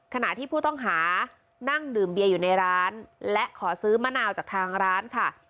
ขณะที่ผู้ต้องหานั่งดื่มเบียอยู่ในร้านและขอซื้อมะนาวจากทางร้านค่ะ